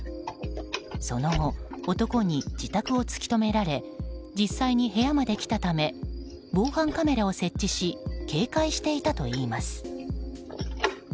その後、男に自宅を突き止められ実際に部屋まで来たため防犯カメラを設置し警戒していたといいます。